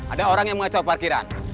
ada orang yang mengacau parkiran